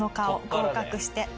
合格して。